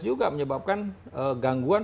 juga menyebabkan gangguan